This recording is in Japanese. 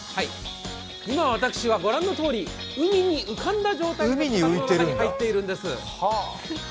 今私はご覧のとおり海に浮かんだ状態でこたつに入ってるんです。